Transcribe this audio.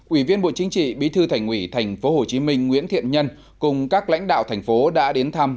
ủy viên bộ chính trị bí thư thành ủy tp hcm nguyễn thiện nhân cùng các lãnh đạo thành phố đã đến thăm